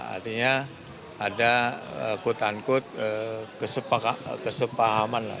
artinya ada quote unquote kesepahaman lah